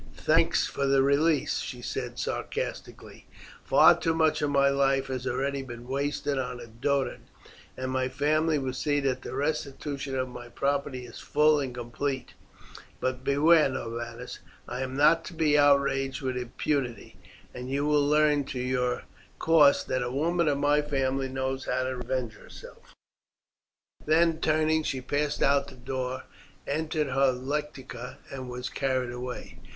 "Thanks for the release," she said sarcastically; "far too much of my life has already been wasted on a dotard, and my family will see that the restitution of my property is full and complete: but beware, Norbanus, I am not to be outraged with impunity, and you will learn to your cost that a woman of my family knows how to revenge herself." Then turning she passed out of the door, entered her lectica and was carried away.